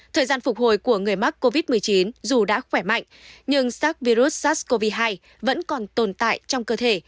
thời gian phục hồi của người mắc covid một mươi chín dù đã khỏe mạnh nhưng sars virus sars cov hai vẫn còn tồn tại trong cơ thể